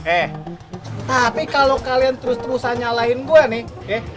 eh tapi kalau kalian terus terusan nyalahin gue nih